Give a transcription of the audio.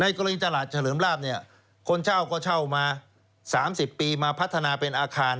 กรณีตลาดเฉลิมลาบเนี่ยคนเช่าก็เช่ามา๓๐ปีมาพัฒนาเป็นอาคาร